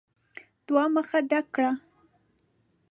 دوه مخه ډک کړه !